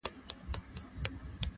دا زخم تازه دی د خدنګ خبري نه کوو-